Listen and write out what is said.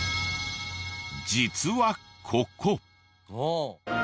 実はここ。